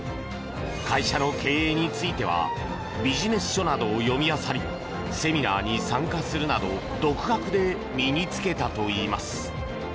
会社の経営についてはビジネス書などを読み漁りセミナーに参加するなど独学で身につけたといいます。